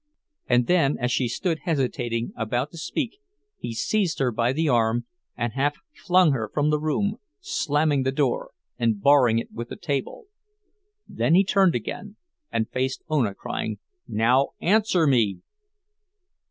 And then, as she stood hesitating, about to speak, he seized her by the arm, and half flung her from the room, slamming the door and barring it with a table. Then he turned again and faced Ona, crying—"Now, answer me!"